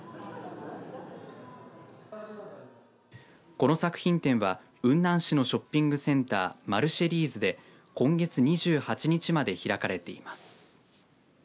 この作品展は雲南市のショッピングセンターマルシェリーズで今月２８日まで開かれています。